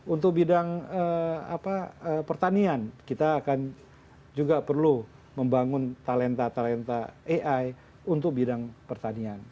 untuk bidang pertanian kita akan juga perlu membangun talenta talenta ai untuk bidang pertanian